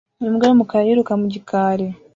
Imbwa y'umukara yiruka mu gikari